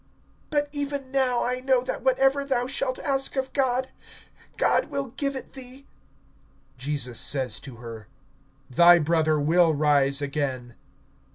(22)But even now, I know that whatever thou shalt ask of God, God will give it thee. (23)Jesus says to her: Thy brother will rise again.